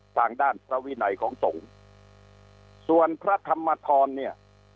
ทางด้านพระวินัยของสงฆ์ส่วนพระธรรมธรเนี่ย